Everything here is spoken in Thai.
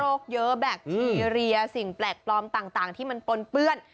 เยอะแบคทีเรียสิ่งแปลกปลอมต่างที่มันปนเปื้อน